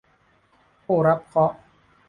ผู้รับเคราะห์